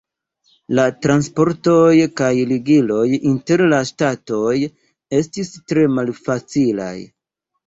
La transportoj kaj ligiloj inter la ŝtatoj estis tre malfacilaj.